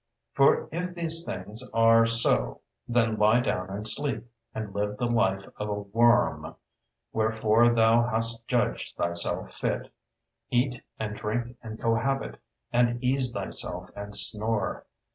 For if these things are so, then lie down and sleep, and live the life of a worm, wherefor thou hast judged thyself fit; eat and drink and cohabit and ease thyself and snore.